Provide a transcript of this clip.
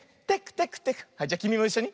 はいじゃきみもいっしょに。